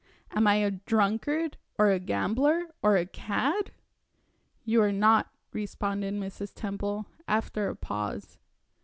Am I a drunkard, or a gambler, or a cad?" "You are not," responded Mrs. Temple, after a pause.